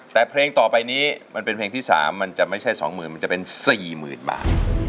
แต่เพลงต่อไปนี้มันเป็นเพลงที่๓มันจะไม่ใช่สองหมื่นมันจะเป็นสี่หมื่นบาท